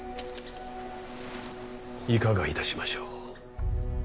いかがいたしましょう。